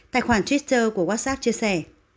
tài khoản twitter của whatsapp chia sẻ